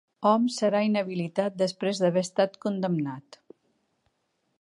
Homs serà inhabilitat després d'haver estat condemnat